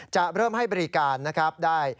จะเริ่มให้บริการได้